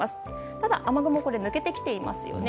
ただ、雨雲抜けてきていますよね。